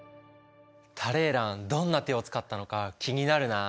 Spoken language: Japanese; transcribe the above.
タレーランどんな手を使ったのか気になるな。